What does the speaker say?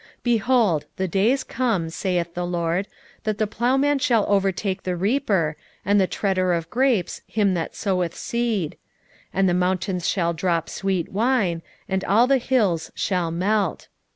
9:13 Behold, the days come, saith the LORD, that the plowman shall overtake the reaper, and the treader of grapes him that soweth seed; and the mountains shall drop sweet wine, and all the hills shall melt.